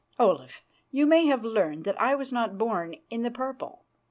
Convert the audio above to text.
Olaf, you may have learned that I was not born in the purple.